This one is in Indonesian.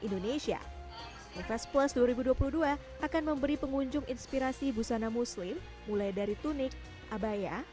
indonesia invest plus dua ribu dua puluh dua akan memberi pengunjung inspirasi busana muslim mulai dari tunik abaya